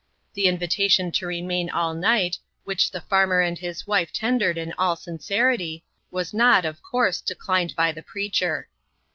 The invitation to remain all night, which the farmer and his wife tendered in all sincerity, was not, of course, declined by the preacher.